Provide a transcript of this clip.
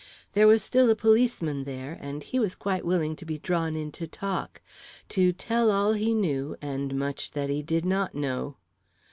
There was still a policeman there, and he was quite willing to be drawn into talk to tell all he knew, and much that he did not know.